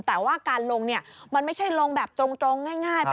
แต่ว่าการลงเนี่ยมันไม่ใช่ลงแบบตรงง่าย